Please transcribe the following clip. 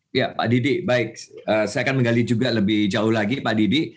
ya pak didi baik saya akan menggali juga lebih jauh lagi pak didi